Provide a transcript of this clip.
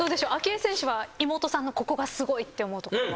愛選手は妹さんのここがすごいって思うところは。